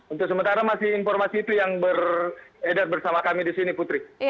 untuk sementara masih informasi itu yang beredar bersama kami di sini putri